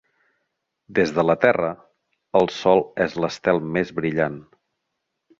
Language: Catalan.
Des de la Terra, el Sol és l'estel més brillant.